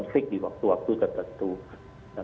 jadi saya pikir ini adalah strategi yang harus diperhatikan